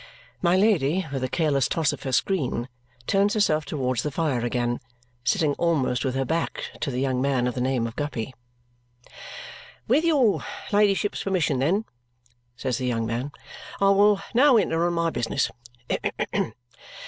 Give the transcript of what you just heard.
My Lady, with a careless toss of her screen, turns herself towards the fire again, sitting almost with her back to the young man of the name of Guppy. "With your ladyship's permission, then," says the young man, "I will now enter on my business.